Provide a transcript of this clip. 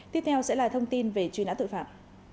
tiếp theo sẽ là thông tin về truy nã tội phạm